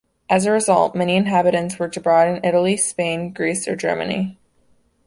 As a result, many inhabitants work abroad in Italy, Spain, Greece, or Germany.